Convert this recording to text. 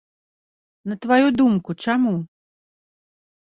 На тваю думку, чаму?